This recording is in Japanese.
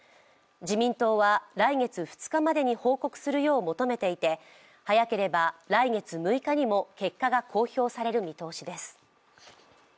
自民党は来月２日までに報告するよう求めていて早ければ来月６日にも結果が公表される見通しです。